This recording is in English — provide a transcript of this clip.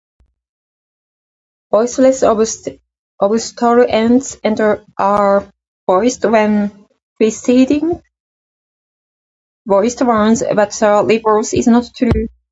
Voiceless obstruents are voiced when preceding voiced ones, but the reverse is not true.